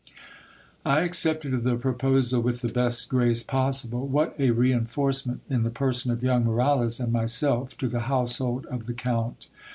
I accepted the proposal with the best grace possible. What a reinforce ment, in the person of young Moralez and myself, to the household of the count